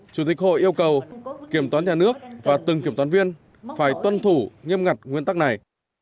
chủ tịch hội yêu cầu kiểm toán nhà nước và từng kiểm toán viên phải tuân thủ nghiêm ngặt nguyên tắc này